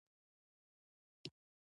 افغانستان په کلتور غني دی.